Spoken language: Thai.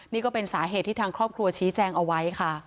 นี่ก็เป็นสาเหตุที่ทางครอบครัวชี้แจงเอาไว้ค่ะ